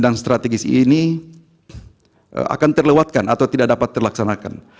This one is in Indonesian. dan strategis ini akan terlewatkan atau tidak dapat terlaksanakan